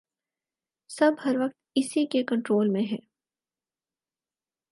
سب ہر وقت اسی کے کنٹرول میں ہیں